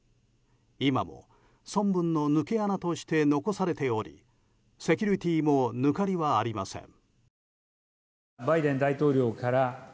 今も孫文の抜け穴として残されておりセキュリティーもぬかりはありません。